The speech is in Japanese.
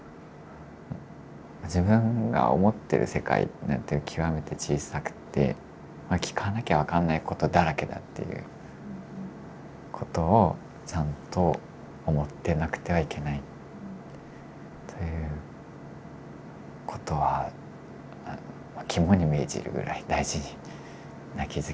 自分が思ってる世界なんて極めて小さくて聞かなきゃ分かんないことだらけだっていうことをちゃんと思ってなくてはいけないということは肝に銘じるぐらい大事な気付きになりました。